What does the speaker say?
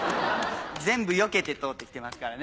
全部よけて通ってきてますからね。